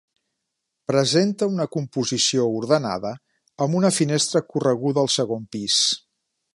Presenta una composició ordenada amb una finestra correguda al segon pis.